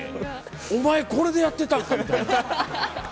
「お前これでやってたんか」みたいな。